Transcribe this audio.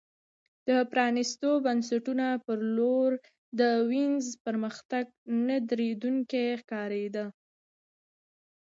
د پرانیستو بنسټونو په لور د وینز پرمختګ نه درېدونکی ښکارېده